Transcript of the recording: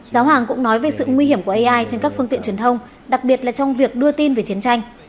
giáo hoàng cũng nói về sự nguy hiểm của ai trên các phương tiện truyền thông đặc biệt là trong việc đưa tin về chiến tranh